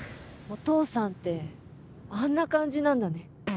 お父さんってあんな感じなんだね。